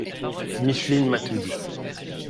Micheline m’a tout dit.